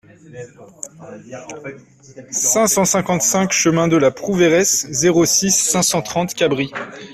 cinq cent cinquante-cinq chemin de la Prouveiresse, zéro six, cinq cent trente, Cabris